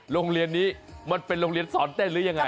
โรงเรียนนี้มันเป็นโรงเรียนสอนเต้นหรือยังไง